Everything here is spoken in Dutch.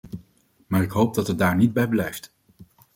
Maar ik hoop dat het daar niet bij blijft.